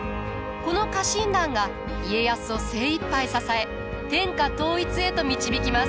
この家臣団が家康を精いっぱい支え天下統一へと導きます。